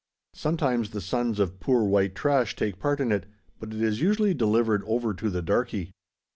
Sometimes the sons of "poor white trash" take part in it; but it is usually delivered over to the "darkey."